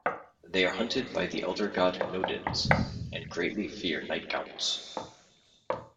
They are hunted by the Elder God Nodens and greatly fear nightgaunts.